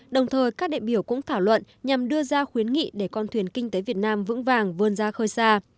đồng thời các đệ biểu cũng thảo luận nhằm đưa ra khuyến nghị để con thuyền kinh tế việt nam vững vàng vươn ra khơi xa